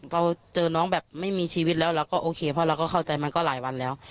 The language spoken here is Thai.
เราเจอน้องแบบไม่มีชีวิตแล้วเราก็โอเคเพราะเราก็เข้าใจมันก็หลายวันแล้ว